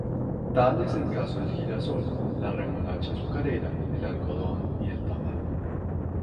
Tal es el caso del girasol, la remolacha azucarera, el algodón y el tabaco.